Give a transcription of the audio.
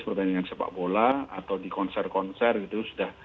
pertandingan sepak bola atau di konser konser gitu